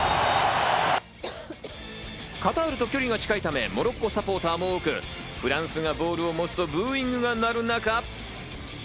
カタールと距離が近いため、モロッコサポーターも多く、フランスがボールを持つとブーイングが鳴る中。